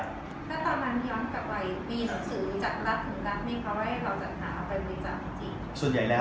ถ้าตอนนั้นย้อนกลับไปมีหนังสือจากรัฐหมู่รัฐไหมคะว่าให้เราจัดหาไปบริจาคจริง